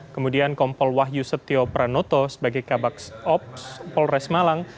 kemudian kompol wahyu setio pranoto sebagai kabak ops polres malang